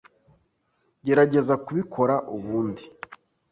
Gerageza kubikora ubundi.